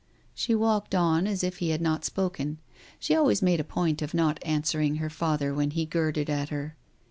She walked on as if he had not spoken. She always made a point of not answering her father when he girded at her.